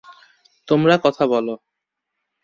তোমরা কথা বলো।